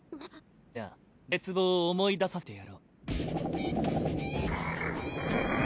じゃ絶望を思い出させてやろう。